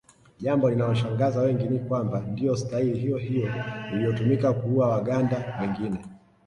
Jambo linaloshangaza wengi ni kwamba ndiyo staili hiyohiyo iliyotumika kuua Waganda wengine